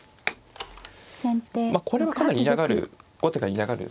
これはかなり嫌がる後手が嫌がる